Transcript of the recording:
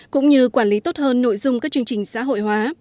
cũng như quản lý tốt hơn nội dung các chương trình xã hội hóa